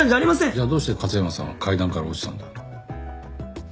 じゃあどうして勝山さんは階段から落ちたんだ？